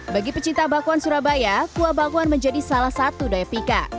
bagi pecinta bakwan surabaya kuah bakwan menjadi salah satu daya pika